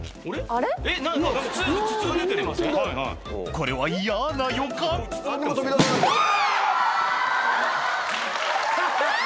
これは嫌な予感うわ！